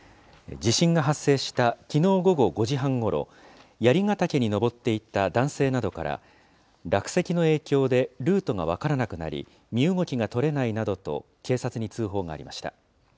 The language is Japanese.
地震が発生したきのう午後５時半ごろ、槍ヶ岳に登っていた男性などから、落石の影響でルートが分からなくなり、身動きが取れないなどと警察に通報がありました。